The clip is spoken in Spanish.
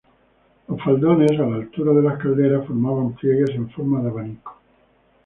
Los faldones a la altura de las caderas formaban pliegues en forma de abanico.